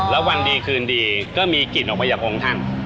แล้ววันดีคืนดีก็มีกลิ่นออกมาจากองค์ท่าน